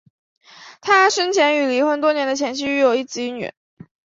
他生前与离婚多年的前妻育有一子一女。